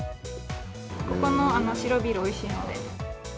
ここの白ビールおいしいので。